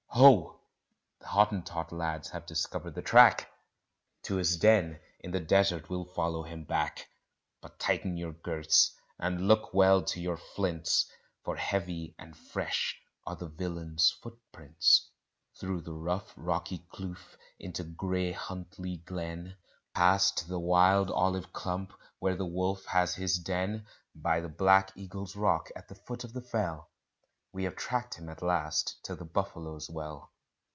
Ho! the Hottentot lads have discovered the track To his den in the desert we'll follow him back; But tighten your girths, and look well to your flints, For heavy and fresh are the villain's foot prints. Through the rough rocky kloof into grey Huntly Glen, Past the wild olive clump where the wolf has his den, By the black eagle's rock at the foot of the fell, We have tracked him at last to the buffalo's well.